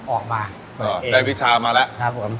ออกมาได้วิชามาแล้ว